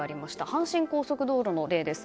阪神高速道路の例です。